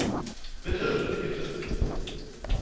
Bitte, Gitte.